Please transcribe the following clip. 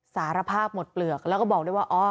สารภาพหมดเปลือกแล้วก็บอกด้วยว่า